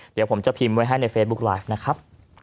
เดี๋ยวผมจะพิมพ์ไว้ให้ในเฟซบุ๊คไลน์นะครับ